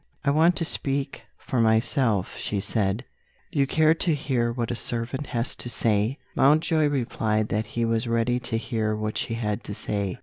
"I want to speak for myself," she said. "Do you care to hear what a servant has to say?" Mountjoy replied that he was ready to hear what she had to say.